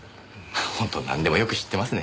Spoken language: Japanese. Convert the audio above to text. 本当なんでもよく知ってますね。